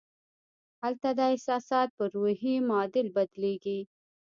هلته دا احساسات پر روحي معادل بدلېږي